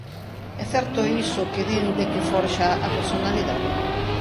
É certo iso que din de que forxa a personalidade?